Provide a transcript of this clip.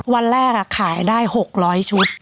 วันแรกอ่ะขายได้หกร้อยชุด